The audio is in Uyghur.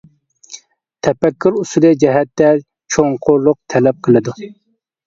تەپەككۇر ئۇسۇلى جەھەتتە، چوڭقۇرلۇق تەلەپ قىلىدۇ.